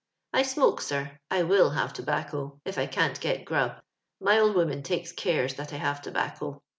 ^ I smoke, sir ; I wiU have tobacco, if I can't get grub. My old woman takes cares that I have tobacco.